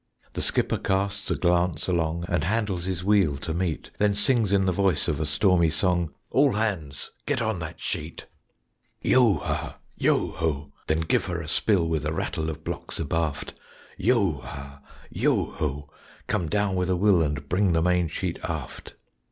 The skipper casts a glance along, And handles his wheel to meet Then sings in the voice of a stormy song, "All hands get on that sheet!" Yo ha! Yo ho! Then give her a spill, With a rattle of blocks abaft. Yo ha! Yo ho! Come down with a will And bring the main sheet aft.